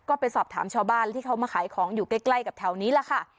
ก็ไปสอบถามชาวบ้านที่เขามาขายของอยู่ใกล้กับแถวนี้ล่ะค่ะ